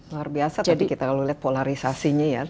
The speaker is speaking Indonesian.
luar biasa tadi kita lalu lihat polarisasinya ya